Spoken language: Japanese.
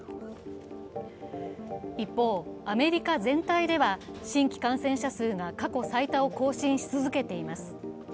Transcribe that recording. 一方、アメリカ全体では新規感染者数が過去最多を更新し続けています。